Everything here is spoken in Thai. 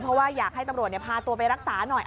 เพราะว่าอยากให้ตำรวจพาตัวไปรักษาหน่อย